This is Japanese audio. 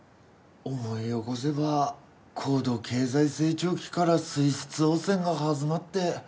思い起こせば高度経済成長期から水質汚染が始まって。